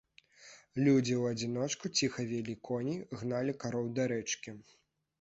Людзі ў адзіночку ціха вялі коней, гналі кароў да рэчкі.